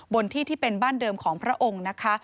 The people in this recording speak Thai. บนที่ที่เป็นบ้านเดิมของพระองค์นะคะ